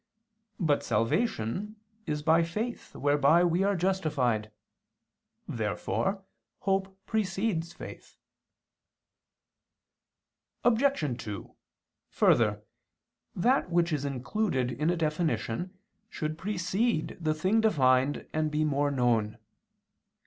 But salvation is by faith whereby we are justified. Therefore hope precedes faith. Obj. 2: Further, that which is included in a definition should precede the thing defined and be more known.